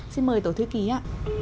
xin mời tổ thư ký ạ